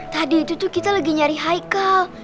tadi itu tuh kita lagi nyari hicle